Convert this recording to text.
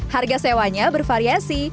harga sewanya bervariasi